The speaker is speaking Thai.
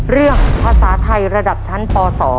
เรื่องภาษาไทยระดับชั้นป๒